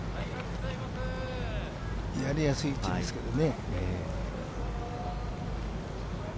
やりやすい位置ですけどね。